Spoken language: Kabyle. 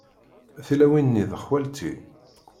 Tilawin-nni d xwalti.